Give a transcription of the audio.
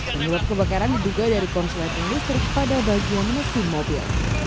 mengibat kebakaran diduga dari konsulat industri pada bagian mesin mobil